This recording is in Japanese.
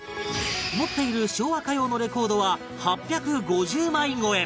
持っている昭和歌謡のレコードは８５０枚超え